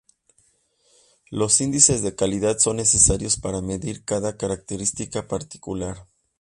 Los índices de calidad son necesarios para medir cada característica particular.